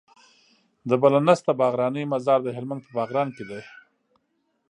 د بله نسته باغرانی مزار د هلمند په باغران کي دی